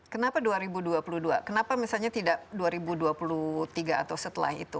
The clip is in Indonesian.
kenapa dua ribu dua puluh dua kenapa misalnya tidak dua ribu dua puluh tiga atau setelah itu